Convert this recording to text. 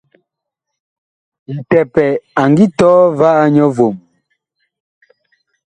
Ntɛpɛ a ngi tɔɔ va a nyɔ vom.